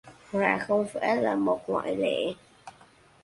Hà không phải là một ngoại lệ